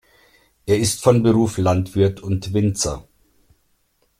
Er ist von Beruf Landwirt und Winzer.